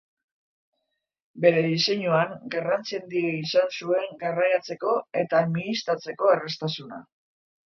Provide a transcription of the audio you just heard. Bere diseinuan garrantzi handia izan zuen garraiatzeko eta mihiztatzeko erraztasuna.